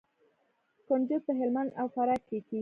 کنجد په هلمند او فراه کې کیږي.